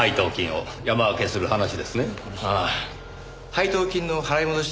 配当金の払い戻し